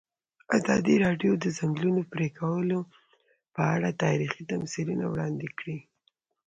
ازادي راډیو د د ځنګلونو پرېکول په اړه تاریخي تمثیلونه وړاندې کړي.